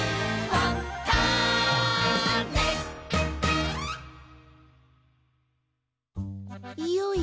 はい！